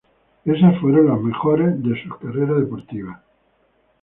Esas fueron las mejores de su carrera deportiva.